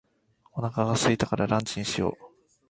お腹が空いたからランチにしよう。